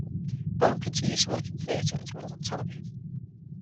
Bolam continues to work in the theatre as well as on television.